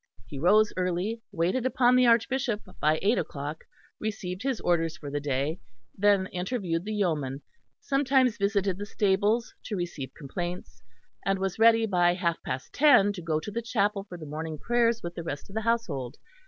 He rose early, waited upon the Archbishop by eight o'clock, and received his orders for the day; then interviewed the yeoman; sometimes visited the stables to receive complaints, and was ready by half past ten to go to the chapel for the morning prayers with the rest of the household.